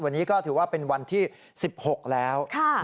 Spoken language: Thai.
วันนี้ก็ถือว่าเป็นวันที่๑๖แล้ว